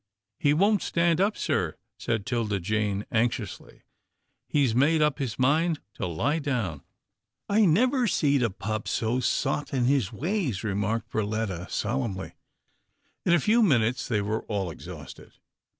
" He won't stand up, sir," said 'Tilda Jane anx iously, " he's made up his mind to lie down." " I never seed a pup so sot in his ways," re marked Perletta, solemnly. 130 GRAMPA'S DRIVE 131 In a few minutes, they were all exhausted.